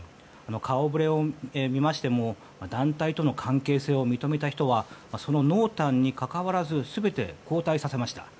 顔ぶれを見ましても団体との関係性を認めた人はその濃淡にかかわらず全て交代させました。